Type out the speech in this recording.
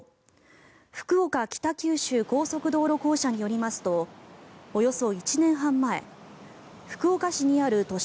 福岡北九州高速道路公社によりますとおよそ１年半前福岡市にある都市